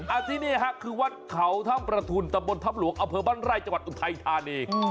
อาทินี้คือวัดเขาธรรมประทุนทะบลทะบลวงอเภิวบ้านไร่จังหวัดอุไทยธานี